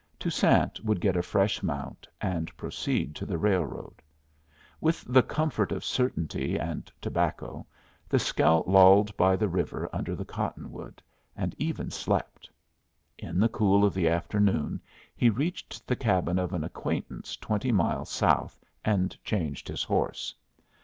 Toussaint would get a fresh mount, and proceed to the railroad. With the comfort of certainty and tobacco, the scout lolled by the river under the cottonwood, and even slept. In the cool of the afternoon he reached the cabin of an acquaintance twenty miles south, and changed his horse.